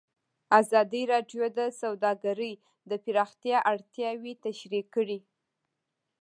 ازادي راډیو د سوداګري د پراختیا اړتیاوې تشریح کړي.